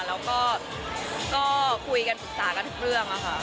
แล้วก็คุยกันปรึกษากันทุกเรื่องค่ะ